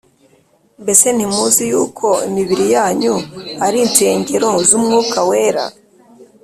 Mbese ntimuzi yuko imibiri yanyu ari insengero z'Umwuka Wera,